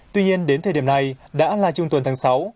tuy nhiên đến thời điểm này đã là trung tuần tháng sáu